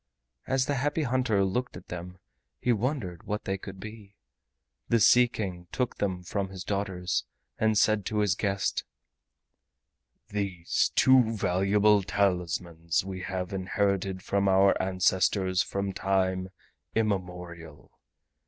As the Happy Hunter looked at them he wondered what they could be. The Sea King took them from his daughters and said to his guest: "These two valuable talismans we have inherited from our ancestors from time immemorial.